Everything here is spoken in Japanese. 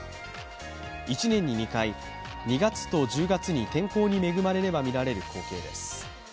１年に２回、２月と１０月に天候に恵まれれば見られる光景です。